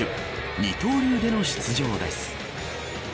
二刀流での出場です。